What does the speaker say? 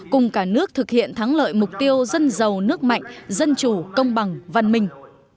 cùng cả nước thực hiện thắng lợi mục tiêu dân giàu nước mạnh dân chủ công bằng văn minh